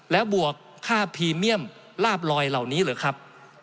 แล้วบวกค่าพรีเมียมลาบลอยเหล่านี้เหรอครับ